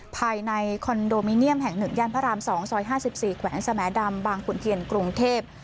ภายในคอนโดมิเนียมแห่ง๑ย่านพระราม๒ซอย๕๔แขวงสมดำบางขุนเทียนกรุงเทพ